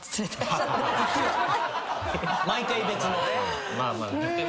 毎回別のね。